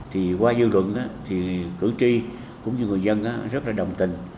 thì qua dư luận thì cử tri cũng như người dân rất là đồng tình